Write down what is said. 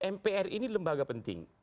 mpr ini lembaga penting